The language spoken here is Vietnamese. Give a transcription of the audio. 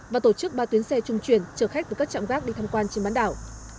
và tổ chức ba tuyến xe chung chuyển chờ khách với các trạm gác đi tham quan trên bán đảo